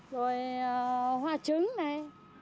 rồi hoa trứng này